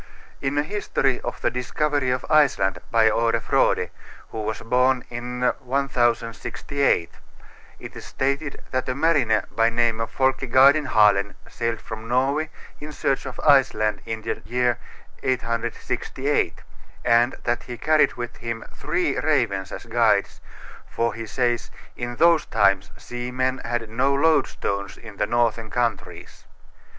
In a history of the discovery of Iceland, by Are Frode, who was born in 1068, it is stated that a mariner by name of Folke Gadenhalen sailed from Norway in search of Iceland in the year 868, and that he carried with him three ravens as guides, for he says, "in those times seamen had no loadstones in the northern countries."